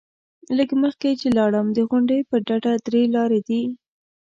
لږ مخکې چې لاړم، د غونډۍ پر ډډه درې لارې دي.